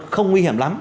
không nguy hiểm lắm